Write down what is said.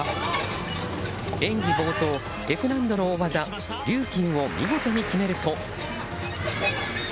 演技冒頭、Ｆ難度の大技リューキンを見事に決めると。